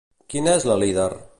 Qui n'és la líder?